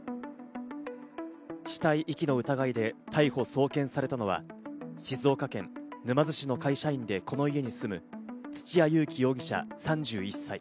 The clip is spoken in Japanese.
死体遺棄の疑いで逮捕・送検されたのは、静岡県沼津市の会社員で、この家に住む土屋勇貴容疑者、３１歳。